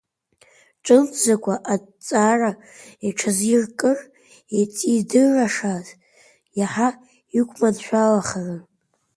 Ҿымҭӡакәа аҭҵаара иҽазикыр, иҵидыраашаз иаҳа иқәманшәалахарын.